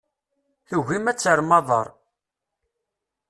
Tugim ad terrem aḍar.